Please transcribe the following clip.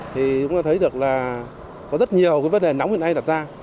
thì chúng ta thấy được là có rất nhiều cái vấn đề nóng hiện nay đặt ra